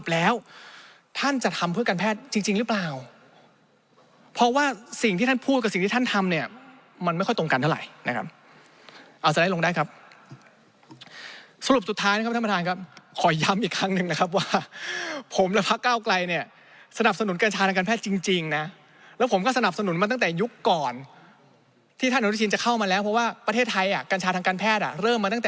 แล้วเมื่อเทียบกับปีก่อนแล้วเนี่ยมันเพิ่มขึ้นจริง